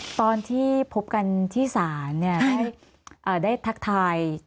ตอนที่พบกันที่ศาลได้ทักทาย